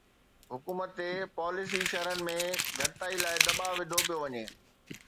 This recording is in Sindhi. حڪومت تي پاليسي شرحن ۾ گهٽتائي لاءِ دٻاءُ وڌو پيو وڃي